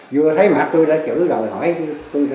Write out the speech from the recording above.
vừa thấy mặt tôi đã chửi rồi hỏi tôi